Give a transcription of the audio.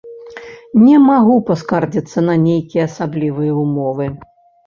Не магу паскардзіцца на нейкія асаблівыя ўмовы.